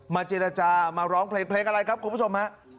เจรจามาร้องเพลงเพลงอะไรครับคุณผู้ชมฮะ